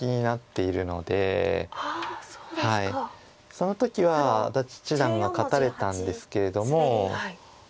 その時は安達七段が勝たれたんですけれども。